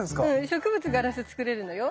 植物ガラス作れるのよ。